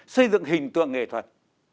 xây dựng hình tượng nghệ thuật